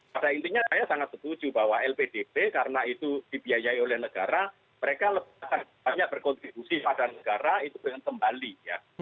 pada intinya saya sangat setuju bahwa lpdp karena itu dibiayai oleh negara mereka lebih banyak berkontribusi pada negara itu dengan kembali ya